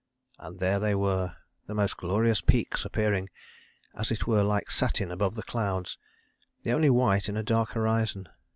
And there they were: the most glorious peaks appearing, as it were like satin, above the clouds, the only white in a dark horizon.